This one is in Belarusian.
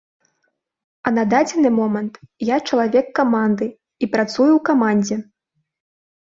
А на дадзены момант я чалавек каманды і працую ў камандзе.